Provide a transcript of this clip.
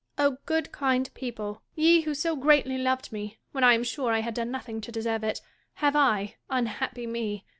O good kind people ! ye who so greatly loved me, when I am sure I had done nothing to deserve it, have I (unhappy me